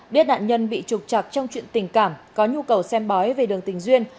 biết nạn nhân bị trục chặt trong chuyện tình cảm có nhu cầu xem bói về đường tình duyên